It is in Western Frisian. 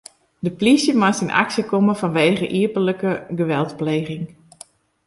De polysje moast yn aksje komme fanwegen iepentlike geweldpleging.